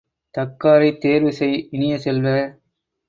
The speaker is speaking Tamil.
தக்காரைத் தேர்வு செய் இனிய செல்வ!